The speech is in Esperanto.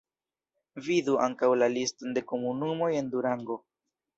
Vidu ankaŭ la liston de komunumoj en Durango.